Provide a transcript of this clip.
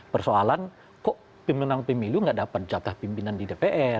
persoalan kok pemenang pemilu gak dapat jatah pimpinan di dpr